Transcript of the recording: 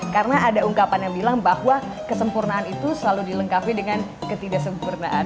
karena ada ungkapan yang bilang bahwa kesempurnaan itu selalu dilengkapi dengan ketidaksempurnaan